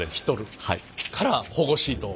から保護シートを。